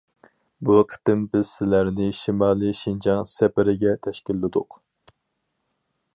بۇ قېتىم بىز سىلەرنى شىمالىي شىنجاڭ سەپىرىگە تەشكىللىدۇق.